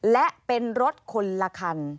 และเป็นรถคนละคัน